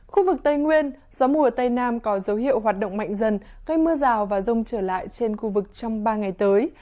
khu vực tây nguyên gió mùa tây nam có dấu hiệu hoạt động mạnh dần gây mưa rào và rông trở lại trên khu vực trong ba ngày tới